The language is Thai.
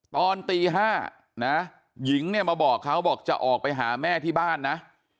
ตอนตี๕นะหญิงเนี่ยมาบอกเขาบอกจะออกไปหาแม่ที่บ้านนะ